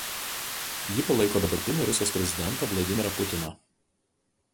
Ji palaiko dabartinį Rusijos prezidentą Vladimirą Putiną.